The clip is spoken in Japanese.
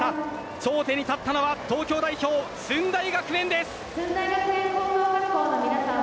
頂点に立ったのは東京代表・駿台学園です。